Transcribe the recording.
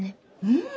うん。